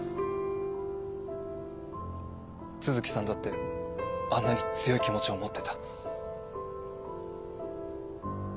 都築さんだってあんなに強い気持ちを持ってた。